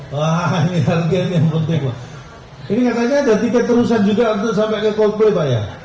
wah ini harga yang penting pak ini katanya ada tiket terusan juga untuk sampai ke coldplay pak ya